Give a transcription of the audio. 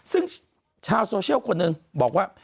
ซึ่งชาวโซเชียลคนหนึ่งบอกว่า